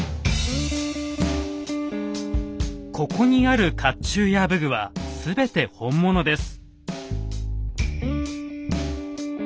ここにある甲冑や武具は全て本物です。